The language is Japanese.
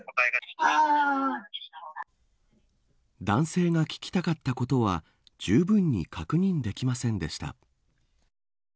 男性が聞きたかったことはじゅうぶんに確認できませんでした。